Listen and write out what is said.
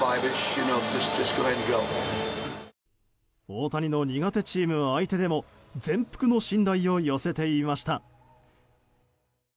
大谷の苦手チーム相手でも全幅の信頼を寄せていました。